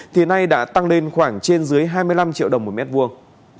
thì nay đã tăng lên khoảng trên dưới hai mươi năm triệu đồng một mét vuông